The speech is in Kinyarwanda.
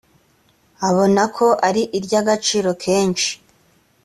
abona ko ari iry’agaciro kenshi